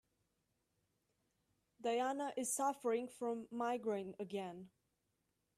Diana is suffering from migraine again.